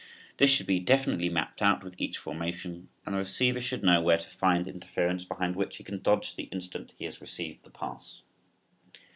This should be definitely mapped out with each formation and the receiver should know where to find interference behind which he can dodge the instant he has received the pass.